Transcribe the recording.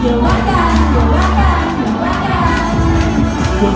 อย่าว่ากันอย่าว่ากันอย่าว่ากัน